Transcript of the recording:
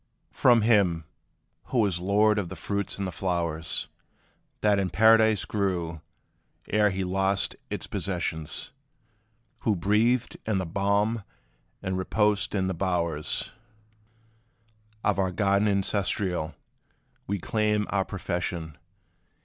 From him, who was lord of the fruits and the flowers, That in Paradise grew, ere he lost its possession Who breathed in the balm, and reposed in the bowers Of our garden ancestral, we claim our profession.